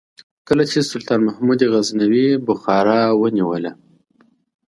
کله چې سلطان محمود غزنوي بخارا ونیوله.